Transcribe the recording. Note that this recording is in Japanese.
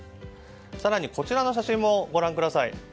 更に、こちらの写真もご覧ください。